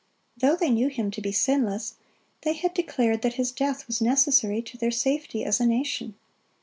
Though they knew Him to be sinless, they had declared that His death was necessary to their safety as a nation.